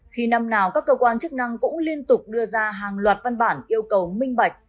khi năm nào các cơ quan chức năng cũng liên tục đưa ra hàng loạt văn bản yêu cầu minh bạch